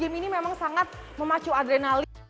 game ini memang sangat memacu adrenalin